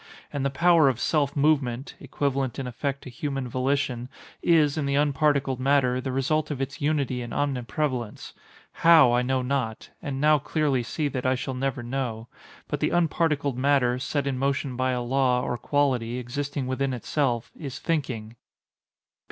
And the power of self movement (equivalent in effect to human volition) is, in the unparticled matter, the result of its unity and omniprevalence; how I know not, and now clearly see that I shall never know. But the unparticled matter, set in motion by a law, or quality, existing within itself, is thinking.